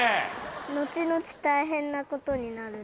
「後々大変なことになる」？